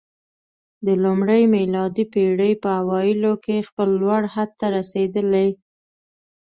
د لومړۍ میلادي پېړۍ په اوایلو کې خپل لوړ حد ته رسېدلی